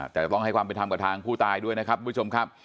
แต่ต้องให้ความเป็นธรรมกับทางผู้ตายด้วยนะครับทุกผู้ชมครับ